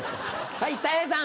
はいたい平さん。